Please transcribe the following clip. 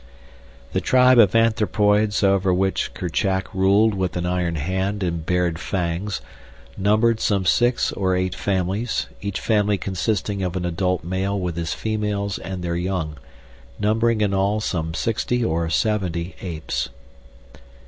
The tribe of anthropoids over which Kerchak ruled with an iron hand and bared fangs, numbered some six or eight families, each family consisting of an adult male with his females and their young, numbering in all some sixty or seventy apes.